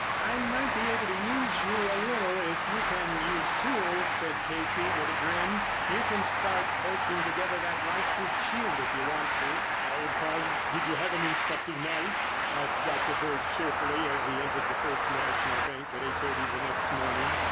"I might be able to use you a little if you can use tools," said Casey with a grin. "You can start bolting together that light proof shield if you want to." "Well, Carnes, did you have an instructive night?" asked Dr. Bird cheerfully as he entered the First National Bank at eight thirty the next morning.